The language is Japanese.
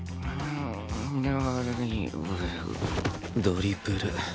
ドリブル。